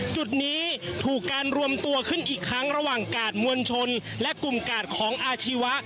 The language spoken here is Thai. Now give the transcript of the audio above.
จุดนี้ถูกการรวมตัวขึ้นอีกครั้งระหว่างกาดมวลชนและกลุ่มกาดของอาชีวะ